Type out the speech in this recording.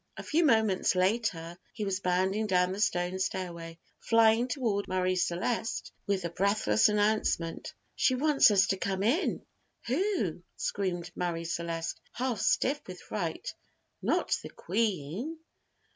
A few moments later he was bounding down the stone stairway, flying toward Marie Celeste with the breathless announcement: "She wants us to come in." "Who?" screamed Marie Celeste, half stiff with fright; "not the Queen?"